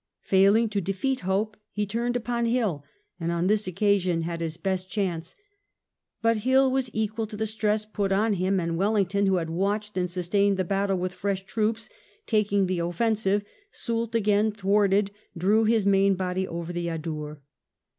Failing to defeat Hope he turned upon Hill, and on this occasion had his best chance ; but Hill was equal to the stress put on him, and Wellington, who had watched and sustained the battle with fresh troops, taking the offensive, Soult again thwarted drew his main body over the Adour.